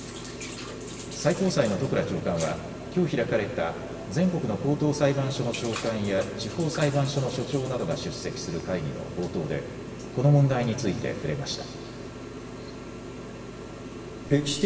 最高裁の戸倉長官はきょう開かれた全国の高等裁判所の長官や地方裁判所の所長などが出席する会議の冒頭でこの問題について触れました。